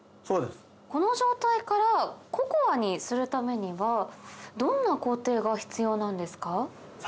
この状態からココアにするためにはどんな工程が必要なんですか？